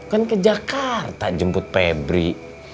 kan ke jakarta jemput pebri